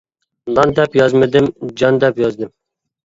نان دەپ يازمىدىم جان دەپ يازدىم.